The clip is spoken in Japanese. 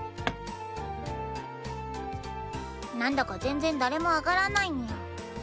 なんだか全然誰も上がらないにゃ。